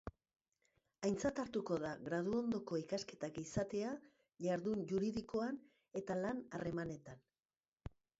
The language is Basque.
Aintzat hartuko da graduondoko ikasketak izatea jardun juridikoan eta lan harremanetan.